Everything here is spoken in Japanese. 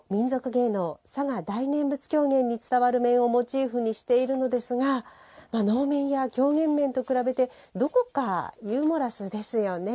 芸能嵯峨大念佛狂言に伝わる面をモチーフにしているのですが能面や狂言面と比べてどこかユーモラスですよね。